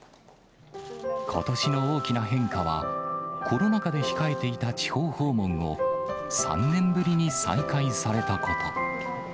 ことしの大きな変化は、コロナ禍で控えていた地方訪問を、３年ぶりに再開されたこと。